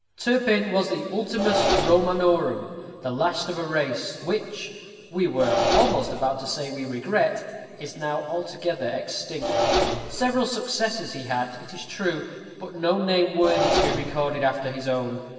Turpin was the ultimus Romanorum, the last of a race, which we were almost about to say we regret is now altogether extinct. Several successors he had, it is true, but no name worthy to be recorded after his own.